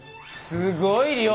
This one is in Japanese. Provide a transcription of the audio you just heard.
すごい量！